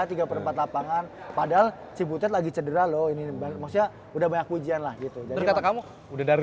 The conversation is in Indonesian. tiga perempat lapangan padahal ciputra lagi cedera loh ini banyak banyak ujian lah gitu udah dari